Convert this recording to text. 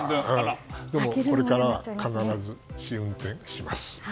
これからは必ず試運転します。